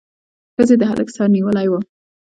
ښځې د هلک سر نیولی و.